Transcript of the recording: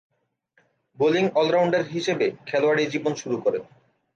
Bowling all rounder হিসেবে খেলোয়াড়ী জীবন শুরু করেন।